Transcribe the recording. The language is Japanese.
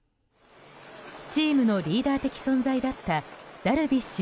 チームのリーダー的存在だったダルビッシュ